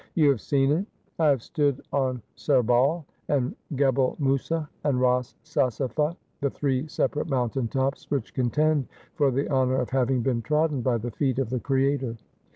' You have seen it ?'' I have stood on Serbal, and Gebel Mousa, and Ras Sasafeh, the three separate mountain tops which contend for the honour of having been trodden by the feet of the Creator.'